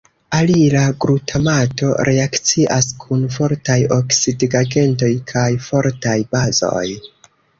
Alila glutamato reakcias kun fortaj oksidigagentoj kaj fortaj bazoj.